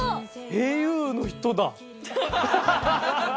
ａｕの人だ。